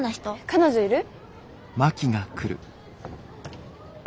彼女いる？